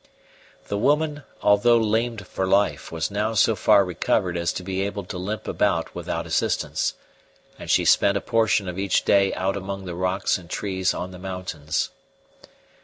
The woman, although lamed for life, was now so far recovered as to be able to limp about without assistance, and she spent a portion of each day out among the rocks and trees on the mountains.